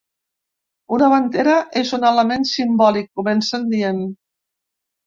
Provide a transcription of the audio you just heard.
Una bandera és un element simbòlic, comencen dient.